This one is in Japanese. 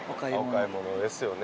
お買い物ですよね